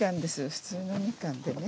普通のみかんでね。